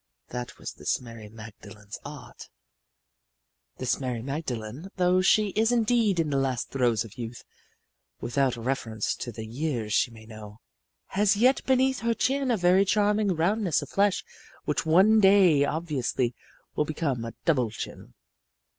That was this Mary Magdalene's art. This Mary Magdalene, though she is indeed in the last throes of youth without reference to the years she may know has yet beneath her chin a very charming roundness of flesh which one day obviously will become a double chin.